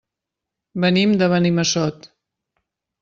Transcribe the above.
Venim de Benimassot.